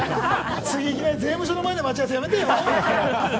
いきなり税務署の前で待ち合わせ、やめてよ。